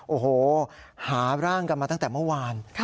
โอ้โหหาร่างกันมาตั้งแต่เมื่อวาน